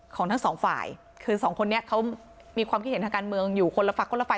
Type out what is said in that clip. ของทั้งสองฝ่ายคือสองคนนี้เขามีความคิดเห็นทางการเมืองอยู่คนละฝั่งคนละฝ่าย